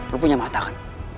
lu punya mata kan